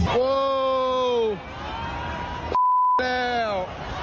แป๊บแล้ว